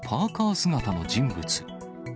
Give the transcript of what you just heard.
姿の人物。